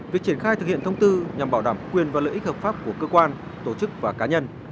việc triển khai thực hiện thông tư nhằm bảo đảm quyền và lợi ích hợp pháp của cơ quan tổ chức và cá nhân